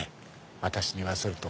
私に言わせると。